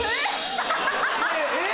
えっ！